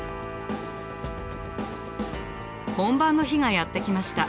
本番の日がやって来ました。